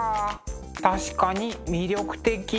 確かに魅力的。